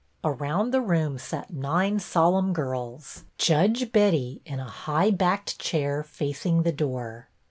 Around the room sat nine solemn girls, Judge Betty in a high backed chair facing the door.